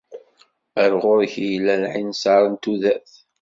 Ar ɣur-k i yella lɛinser n tudert.